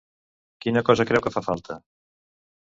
Quina cosa creu que fa falta?